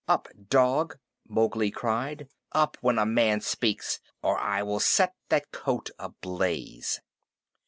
"Up, dog!" Mowgli cried. "Up, when a man speaks, or I will set that coat ablaze!"